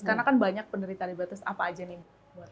karena kan banyak penderita diabetes apa aja nih bu